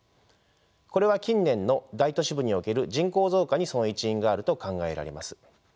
これは近年の大都市部における人口増加にその一因があると考えられます。